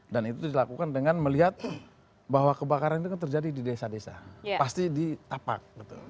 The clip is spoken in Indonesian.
dan itu dilakukan dengan melihat bahwa kebakaran itu terjadi di desa desa pasti di tapak